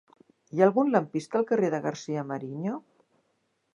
Hi ha algun lampista al carrer de García-Mariño?